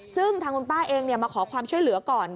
ซึ่งทางคุณป้าเองมาขอความช่วยเหลือก่อน